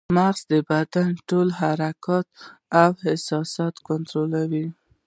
مغز د بدن ټول حرکات او احساسات کنټرولوي